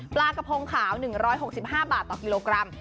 ปลากระพงขาว๑๖๕บาทต่อกิโลกรัม